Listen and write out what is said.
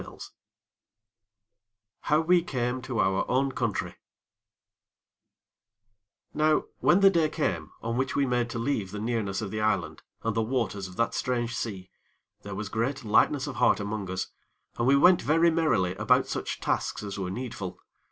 XVII How We Came to Our Own Country Now, when the day came on which we made to leave the nearness of the island, and the waters of that strange sea, there was great lightness of heart among us, and we went very merrily about such tasks as were needful.